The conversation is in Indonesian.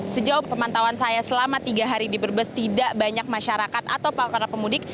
sejauh pemantauan saya selama tiga hari di berbes tidak banyak masyarakat atau para pemudik